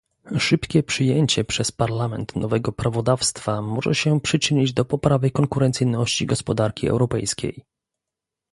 Szybkie przyjęcie przez Parlament nowego prawodawstwa może się przyczynić do poprawy konkurencyjności gospodarki europejskiej